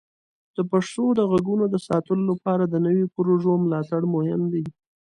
د پښتو د غږونو د ساتلو لپاره د نوو پروژو ملاتړ مهم دی.